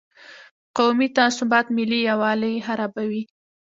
قومي تعصبات ملي یووالي خرابوي.